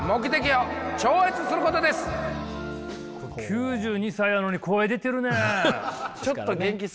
９２歳やのに声出てるね。